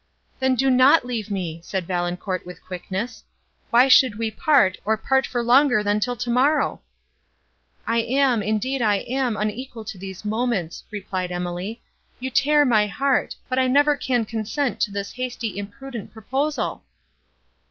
"Then do not leave me!" said Valancourt, with quickness. "Why should we part, or part for longer than till tomorrow?" "I am, indeed I am, unequal to these moments," replied Emily, "you tear my heart, but I never can consent to this hasty, imprudent proposal!"